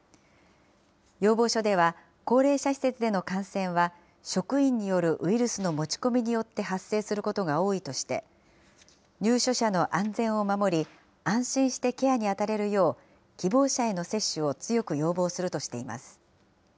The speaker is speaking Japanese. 要望書では、高齢者施設での感染は、職員によるウイルスの持ち込みによって発生することが多いとして、入所者の安全を守り、安心してケアに当たれるよう希望者への接種を強く要望するとしています。